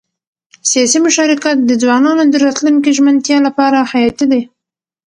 سیاسي مشارکت د ځوانانو د راتلونکي ژمنتیا لپاره حیاتي دی